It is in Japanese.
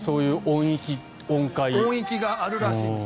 音域があるらしいです。